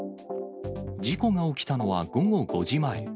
事故が起きたのは午後５時前。